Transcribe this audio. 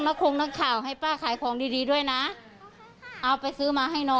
โอเค